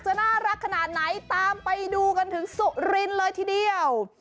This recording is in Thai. น่ารักขนาดไหนตามไปดูกันถึงสุรินทร์เลยทีเดียว